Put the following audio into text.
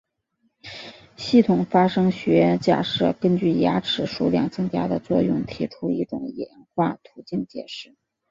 系统发生学假设根据牙齿数量增加的作用提出一种演化途径解释。